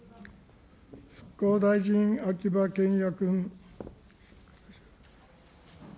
復興大臣、秋葉賢也君。